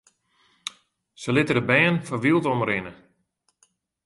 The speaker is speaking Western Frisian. Sy litte de bern foar wyld omrinne.